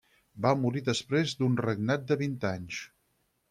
Va morir després d'un regnat de vint anys.